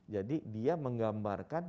jadi dia menggambarkan